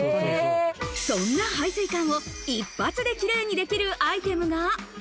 その排水管を一発で綺麗にできるアイテムが。